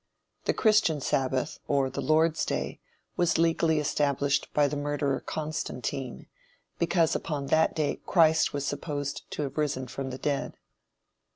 The Christian Sabbath, or the "Lord's day" was legally established by the murderer Constantine, because upon that day Christ was supposed to have risen from the dead.